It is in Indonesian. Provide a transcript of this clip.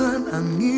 aku akan pergi